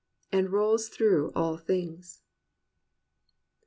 And rolls through all things."